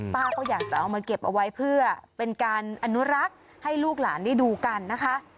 ป้าก็อยากจะเอามาเก็บเอาไว้เพื่อเป็นการอนุรักษ์ให้ลูกหลานได้ดูกันนะคะ